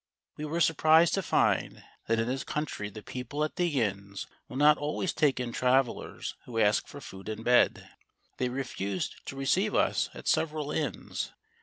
We were surprised to find that in this country the people at the inns will not always take in travellers who ask for food and bed. They refused to receive us at several inns.